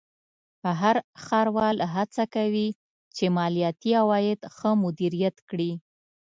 هر ښاروال هڅه کوي چې مالیاتي عواید ښه مدیریت کړي.